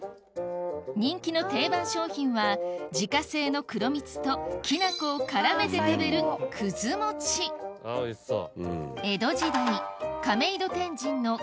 人気の定番商品は自家製の黒蜜ときな粉を絡めて食べるあぁおいしそう。